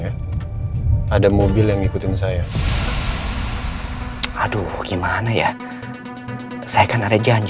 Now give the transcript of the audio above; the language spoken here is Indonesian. ya halo pak halo ren kamu temui saya di jalan kasuari sekarang ya